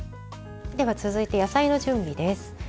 続いて野菜の準備です。